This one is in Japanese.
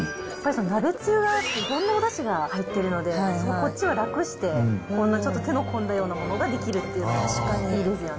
鍋つゆはいろんなおだしが入っているので、こっちは楽して、手の込んだようなものが出来るっていいですよね。